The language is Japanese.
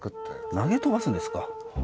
投げ飛ばすんですか？